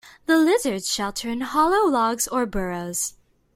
The lizards shelter in hollow logs or burrows.